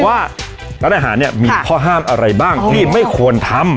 ว่าร้านอาหารเนี่ยมีข้อห้ามอะไรบ้างที่ไม่ควรทำ